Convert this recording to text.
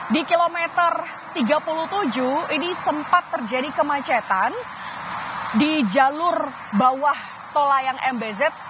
di kilometer tiga puluh tujuh ini sempat terjadi kemacetan di jalur bawah tol layang mbz